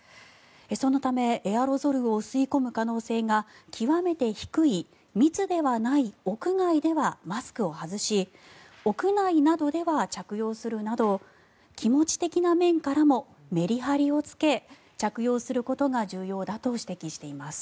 そのため、エアロゾルを吸い込む可能性が極めて低い密ではない屋外ではマスクを外し屋内などでは着用するなど気持ち的な面からもメリハリをつけ着用することが重要だと指摘しています。